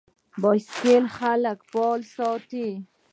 بایسکل خلک فعال ساتي.